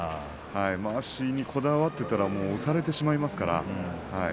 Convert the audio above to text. まわしにこだわっていたら押されてしまいますから。